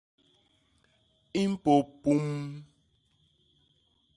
I mpôp puum.